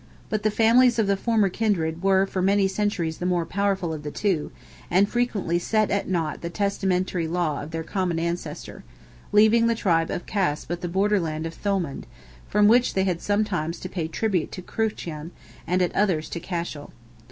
But the families of the former kindred were for many centuries the more powerful of the two, and frequently set at nought the testamentary law of their common ancestor, leaving the tribe of Cas but the border land of Thomond, from which they had sometimes to pay tribute to Cruachan, and at others to Cashel.